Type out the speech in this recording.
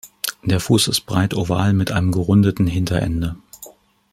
Der Fuß ist breit-oval mit einem gerundeten Hinterende.